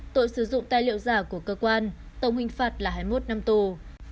tội sử dụng tài liệu giả của cơ quan tổng hình phạt là hai mươi một năm tù